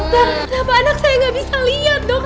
kenapa anak saya tidak bisa melihat dok